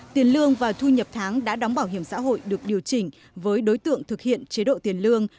tiền lương và thu nhập tháng đã đóng bảo hiểm xã hội được điều chỉnh với đối tượng thực hiện chế độ tiền lương